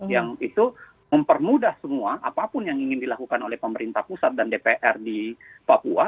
yang itu mempermudah semua apapun yang ingin dilakukan oleh pemerintah pusat dan dpr di papua